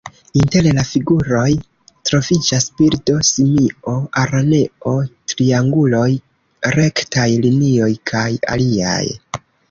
Inter la figuroj troviĝas birdo, simio, araneo, trianguloj, rektaj linioj kaj aliaj.